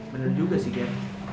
bener juga sih ger